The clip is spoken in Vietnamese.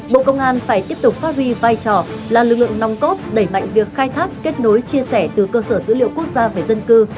bộ công an phải tiếp tục phát huy vai trò là lực lượng nong cốt đẩy mạnh việc khai thác kết nối chia sẻ từ cơ sở dữ liệu quốc gia về dân cư